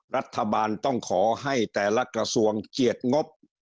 รัฐบาลต้องขอให้แต่ละกระทรวงเจียดงบ